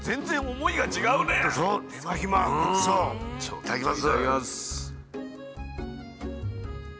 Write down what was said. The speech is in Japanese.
いただきます。